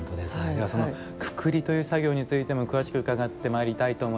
ではくくりという作業についても詳しく伺ってまいりたいと思います。